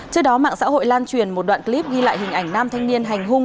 trước đó mạng xã hội lan truyền một đoạn clip ghi lại hình ảnh nam thanh niên hành hung